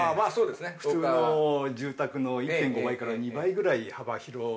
普通の住宅の１．５倍から２倍ぐらい幅広で。